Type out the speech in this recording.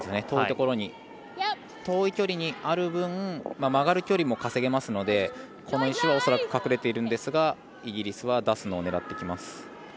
遠い距離にある分、曲がる距離も稼げますので、この石は恐らく隠れているんですがイギリスは出すのを狙ってきます。